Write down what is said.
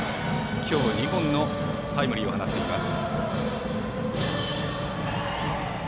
今日は２本のタイムリーを放っています。